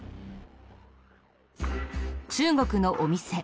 中国のお店。